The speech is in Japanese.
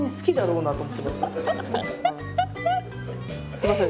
すいません